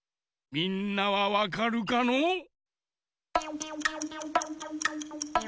みんなはわかるかのう？